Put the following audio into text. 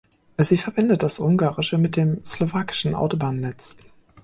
Sie verbindet das ungarische mit dem slowakischen Autobahnnetz.